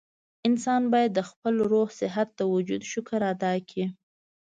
انسان بايد د خپل روغ صحت د وجود شکر ادا کړي